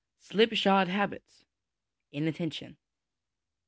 Slipshod Habits; Inattention.